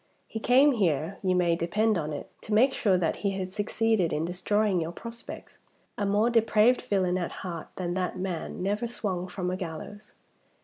He came here, you may depend on it, to make sure that he had succeeded in destroying your prospects. A more depraved villain at heart than that man never swung from a gallows!"